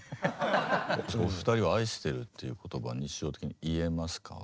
お二人は「愛してる」っていう言葉日常的に言えますか？